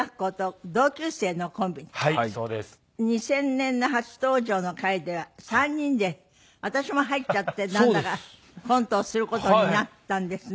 ２０００年の初登場の回では３人で私も入っちゃってなんだかコントをする事になったんですね。